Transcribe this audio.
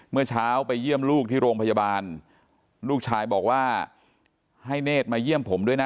เมื่อเช้าไปเยี่ยมลูกที่โรงพยาบาลลูกชายบอกว่าให้เนธมาเยี่ยมผมด้วยนะ